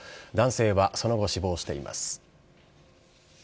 男性はその後、死亡しています。